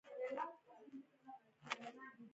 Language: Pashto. ډاکټر: په شمالي جبهه کې پنځلس ډلې الماني پوځیان جنګېږي.